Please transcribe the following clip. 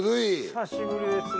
久しぶりですね。